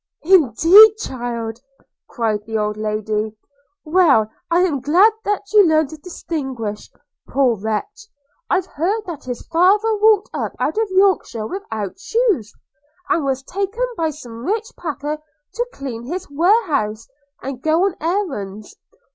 'Indeed, child!' cried the old lady: 'Well, I am glad that you learn to distinguish. – Poor wretch! I've heard that his father walked up out of Yorkshire without shoes, and was taken by some rich packer to clean his warehouse, and go on errands.